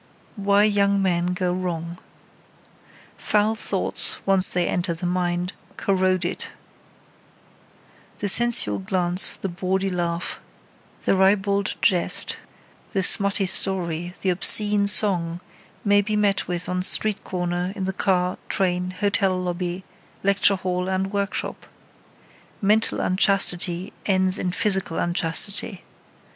WHY YOUNG MEN GO WRONG Foul thoughts, once they enter the mind, corrode it. The sensual glance, the bawdy laugh, the ribald jest, the smutty story, the obscene song may be met with on street corner, in the car, train, hotel lobby, lecture hall and workshop. Mental unchastity ends in physical unchastity.